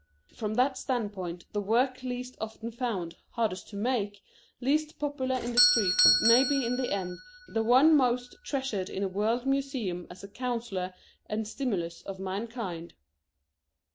From that standpoint, the work least often found, hardest to make, least popular in the street, may be in the end the one most treasured in a world museum as a counsellor and stimulus of mankind.